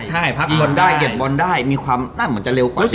ใช่พักบอลได้เก็บบอลได้มีความน่าจะเร็วกว่าเชโก